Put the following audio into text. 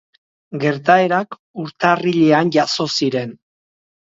Gertaerak urtarrilean jazo ziren.